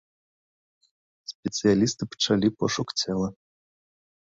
Спецыялісты пачалі пошук цела.